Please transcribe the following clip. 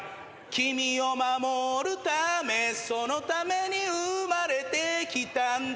「君を守るためそのために生まれてきたんだ」